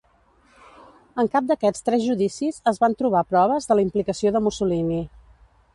En cap d'aquests tres judicis es van trobar proves de la implicació de Mussolini.